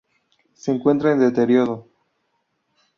Se encuentra en deterioro.